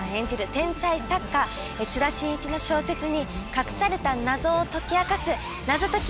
天才作家津田伸一の小説に隠された謎を解き明かす謎解き